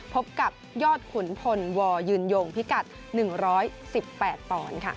พบกับยอดขุนพลวยืนยงพิกัด๑๑๘ป